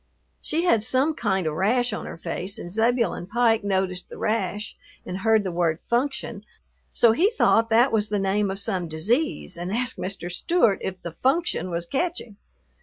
She had some kind of rash on her face and Zebulon Pike noticed the rash and heard the word "function," so he thought that was the name of some disease and asked Mr. Stewart if the "function" was "catching."